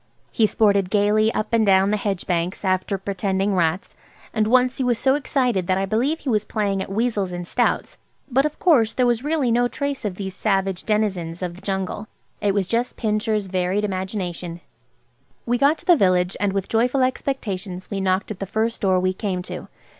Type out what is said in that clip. He sported gaily up and down the hedge banks after pretending rats, and once he was so excited that I believe he was playing at weasels and stoats. But of course there was really no trace of these savage denizens of the jungle. It was just Pincher's varied imagination. We got to the village, and with joyful expectations we knocked at the first door we came to.